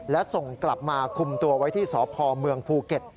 และส่งกลับมาคุมตัวไว้ที่สพเมืองภูเก็ต